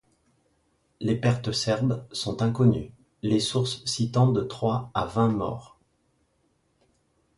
Les pertes serbes sont inconnues, les sources citant de trois à vingt morts.